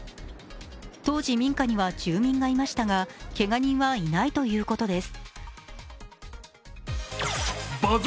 当時、民家には住民がいましたがけが人はいないということです。